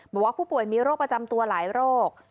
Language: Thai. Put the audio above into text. บอกว่าผู้ป่วยมีโรคประจำตัวหลายโรค